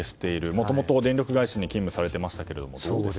もともと電力会社に勤務されていましたが。